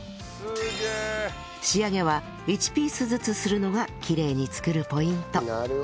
仕上げは１ピースずつするのがきれいに作るポイント